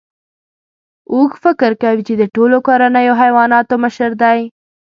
اوښ فکر کوي چې د ټولو کورنیو حیواناتو مشر دی.